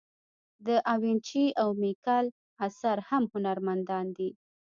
داوینچي او میکل آنژ مهم هنرمندان دي.